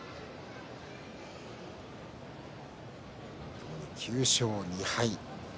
ともに９勝２敗。